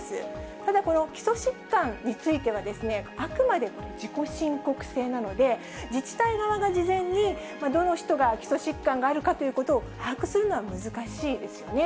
ただ、この基礎疾患については、あくまで自己申告制なので、自治体側が事前にどの人が基礎疾患があるかということを把握するのは難しいですよね。